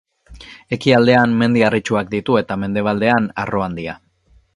Ekialdean Mendi Harritsuak ditu, eta mendebaldean Arro Handia.